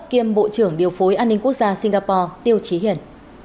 kiêm bộ trưởng điều phối an ninh quốc gia singapore tiêu trí hiển